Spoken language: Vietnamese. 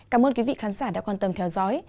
cảm ơn quý vị khán giả đã quan tâm theo dõi